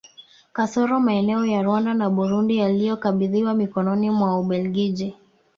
Kasoro maeneo ya Rwanda na Burundi yaliyokabidhiwa mikononi mwa Ubelgiji